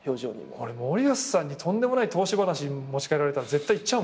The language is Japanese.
俺森保さんにとんでもない投資話持ち掛けられたら絶対いっちゃうもん。